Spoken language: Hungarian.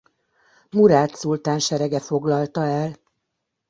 Murád szultán serege foglalta el.